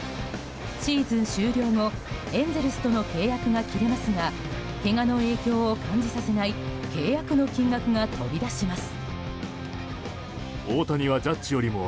シーズン終了後エンゼルスとの契約が切れますがけがの影響を感じさせない契約の金額が飛び出します。